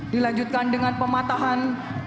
dilanjutkan dengan pematahan